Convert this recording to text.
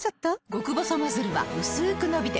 極細ノズルはうすく伸びて